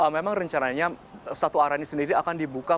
memang rencananya satu arah ini sendiri akan dibuka